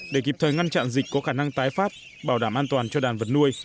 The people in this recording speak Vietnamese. để kịp thời ngăn chặn dịch có khả năng tái phát bảo đảm an toàn cho đàn vật nuôi